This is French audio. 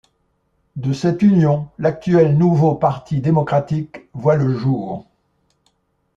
De cette union, l'actuel Nouveau Parti démocratique voit le jour.